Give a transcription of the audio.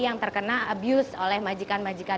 yang terkena abuse oleh majalah